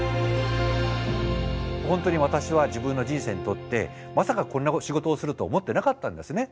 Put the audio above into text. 本当に私は自分の人生にとってまさかこんな仕事をすると思ってなかったんですね。